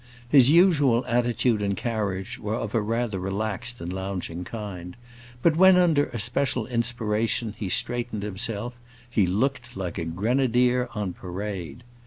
His usual attitude and carriage were of a rather relaxed and lounging kind, but when under a special inspiration, he straightened himself, he looked like a grenadier on parade.